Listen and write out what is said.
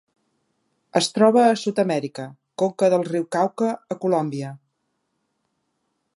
Es troba a Sud-amèrica: conca del riu Cauca a Colòmbia.